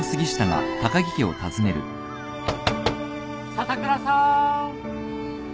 笹倉さん。